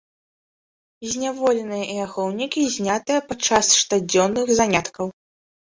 Зняволеныя і ахоўнікі знятыя падчас штодзённых заняткаў.